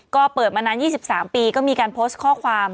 ก็เปิดมานาน๒๓ปีก็มีการโพสต์ข้อความ